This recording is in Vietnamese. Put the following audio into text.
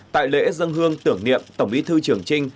tại lễ dân hương tưởng niệm tổng bí thư trường trinh